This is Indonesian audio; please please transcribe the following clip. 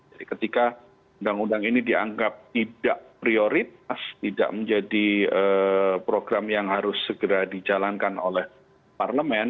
jadi ketika undang undang ini dianggap tidak prioritas tidak menjadi program yang harus segera dijalankan oleh parlemen